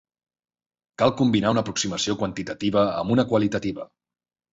Cal combinar una aproximació quantitativa amb una qualitativa.